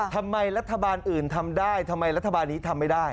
ทำไมรัฐบาลอื่นทำได้ทำไมรัฐบาลนี้ทำไม่ได้